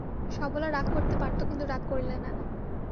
সরলা রাগ করতে পারত কিন্তু রাগ করলে না।